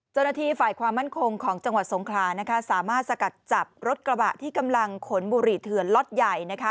เจ้าหน้าที่ฝ่ายความมั่นคงของจังหวัดสงขลาสามารถสกัดจับรถกระบะที่กำลังขนบุหรี่เถื่อนล็อตใหญ่